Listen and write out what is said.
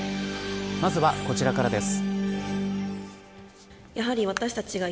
まずは、こちらからです。